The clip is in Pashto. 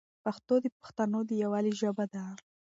پښتو د پښتنو د یووالي ژبه ده.